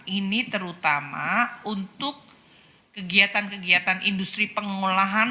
ini terutama untuk kegiatan kegiatan industri pengolahan